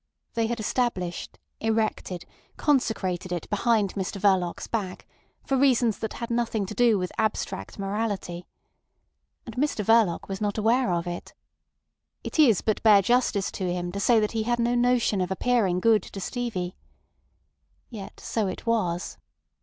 They had established, erected, consecrated it behind Mr Verloc's back, for reasons that had nothing to do with abstract morality. And Mr Verloc was not aware of it. It is but bare justice to him to say that he had no notion of appearing good to Stevie. Yet so it was.